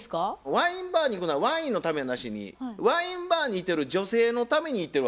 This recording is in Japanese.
ワインバーに行くのはワインのためやなしにワインバーにいてる女性のために行ってるわけですよ。